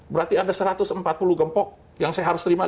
berarti ada satu ratus empat puluh gempok yang saya harus terima